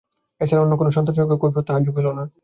এ ছাড়া অন্য কোনো সন্তোষজনক কৈফিয়ৎ তাহার জোগাইল না।